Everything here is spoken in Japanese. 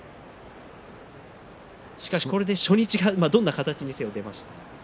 しかし、これで初日がどんな形にせよ出ました。